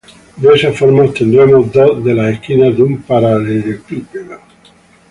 De esa forma, obtendremos dos de las esquinas de un paralelepípedo.